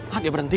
hah dia berhenti